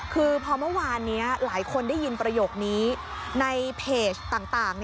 คือพอเมื่อวานนี้หลายคนได้ยินประโยคนี้ในเพจต่าง